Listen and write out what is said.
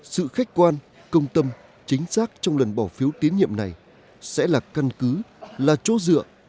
sự khách quan công tâm chính xác trong lần bỏ phiếu tín nhiệm này sẽ là căn cứ là chỗ dựa